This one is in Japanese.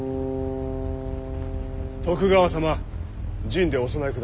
徳川様陣でお備えくだされ。